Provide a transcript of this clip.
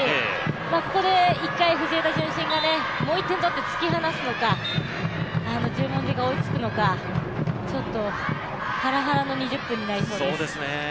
ここで一回、藤枝順心がもう１点取って突き放すのか、十文字が追いつくのか、ちょっとハラハラの２０分になりそうです。